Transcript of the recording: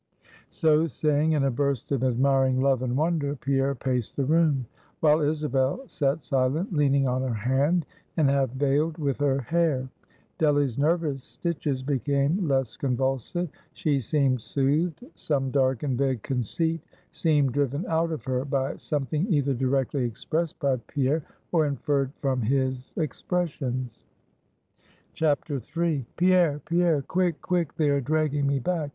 So saying, in a burst of admiring love and wonder, Pierre paced the room; while Isabel sat silent, leaning on her hand, and half vailed with her hair. Delly's nervous stitches became less convulsive. She seemed soothed; some dark and vague conceit seemed driven out of her by something either directly expressed by Pierre, or inferred from his expressions. III. "Pierre! Pierre! Quick! Quick! They are dragging me back!